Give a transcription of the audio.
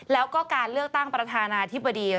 แล้วก็การเลือกตั้งประธานาธิบดี